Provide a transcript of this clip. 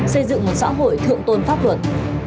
xây dựng một xã hội thượng tôn pháp luật